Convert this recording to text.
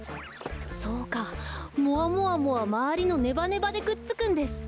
そうかもわもわもはまわりのネバネバでくっつくんです。